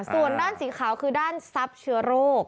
ส่วนด้านสีขาวคือด้านทรัพย์เชื้อโรค